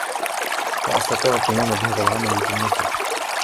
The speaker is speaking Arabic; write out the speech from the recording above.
لا أستطيع القيام بهذا العمل بمفردي.